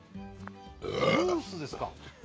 ムースですか？